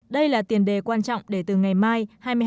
đây là tiền đề quan trọng để từ ngày mai hai mươi hai một mươi một